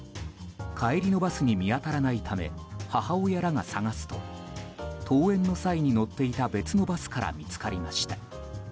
帰りのバスに見当たらないため母親らが捜すと登園の際に乗っていた別のバスから見つかりました。